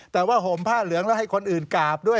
แต่ว่าห่มผ้าเหลืองแล้วให้คนอื่นกราบด้วย